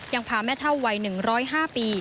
ยังพาแม่เท่าวัย๑๐๕ปี